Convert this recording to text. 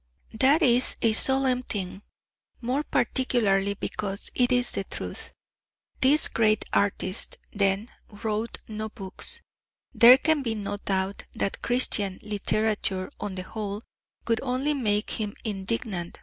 That is a solemn thing, more particularly because it is the truth. This great artist, then, wrote no books. There can be no doubt that Christian literature, on the whole, would only make him indignant.